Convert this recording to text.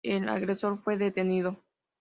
El agresor fue detenido.